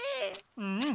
うん。